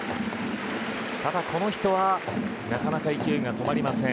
ただ、この人はなかなか勢いが止まりません。